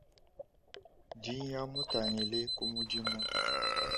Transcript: Ndinya, mutangila ku mudimu.